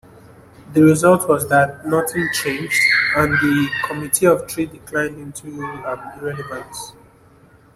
The result was that nothing changed, and the Committee of Three declined into irrelevance.